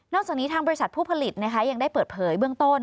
จากนี้ทางบริษัทผู้ผลิตยังได้เปิดเผยเบื้องต้น